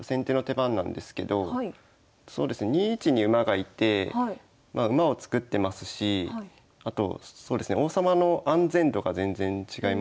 ２一に馬がいてまあ馬を作ってますしあとそうですね王様の安全度が全然違いますよね。